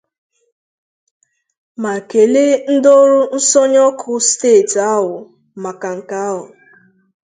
ma kelee ndị ọrụ nsọnyụ ọkụ steeti ahụ maka nke ahụ